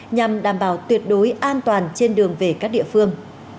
nhằm đảm bảo tuyệt đối an toàn trên đường về các địa phương